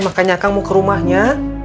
makanya akang mau ke rumahnya